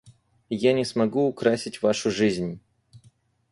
Я не смогу украсить Вашу жизнь.